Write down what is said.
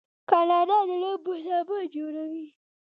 کاناډا د لوبو سامان جوړوي.